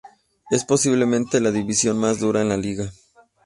Es posiblemente la división más dura en la liga.